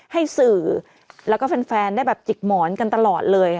ให้สื่อแล้วก็แฟนได้แบบจิกหมอนกันตลอดเลย